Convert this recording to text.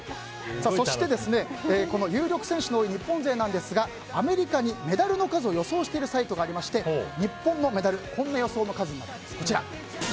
そして、この有力選手の多い日本勢なんですがアメリカにメダルの数を予想しているサイトがありまして日本のメダルこんな予想の数になっています。